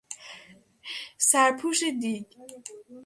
سر پوش دیگ